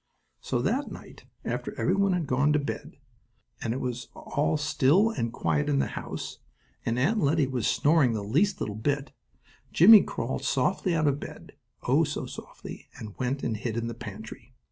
So that night, after every one had gone to bed, and it was all still and quiet in the house, and Aunt Lettie was snoring the least little bit, Jimmie crawled softly out of bed. Oh, so softly, and went and hid in the pantry.